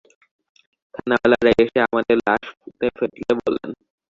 থানাঅলারা এসে আমাদের লাশ পুঁতে ফেলতে বলে।